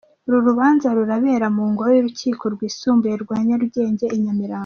Uru rubanza rurabera mu ngoro y’urukiko rwisumbuye rwa Nyarugenge i Nyamirambo.